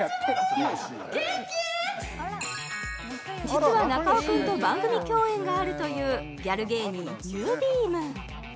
実は中尾君と番組共演があるというギャル芸人ゆーびーむ☆